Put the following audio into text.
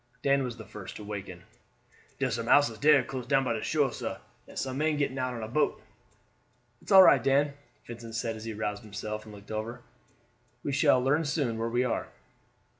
Dan was the first to waken. "Dar are some houses dere close down by the shore, sah, and some men getting out a boat." "That's all right, Dan," Vincent said as he roused himself and looked over. "We shall learn soon where we are."